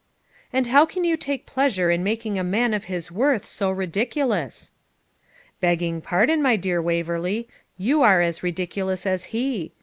'And how can you take pleasure in making a man of his worth so ridiculous?' 'Begging pardon, my dear Waverley, you are as ridiculous as he.